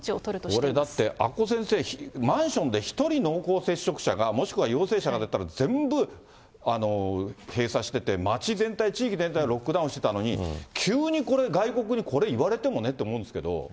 これだって、阿古先生、マンションで１人濃厚接触者が、もしくは陽性者が出たら、全部閉鎖してて、街全体、地域全体をロックダウンしてたのに、急にこれ、外国にこれ言われてもねって思うんですけれども。